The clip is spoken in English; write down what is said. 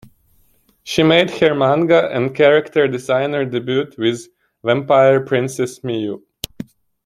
She made her manga and character designer debut with "Vampire Princess Miyu".